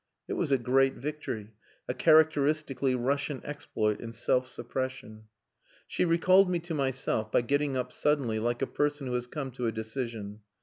It was a great victory, a characteristically Russian exploit in self suppression. She recalled me to myself by getting up suddenly like a person who has come to a decision.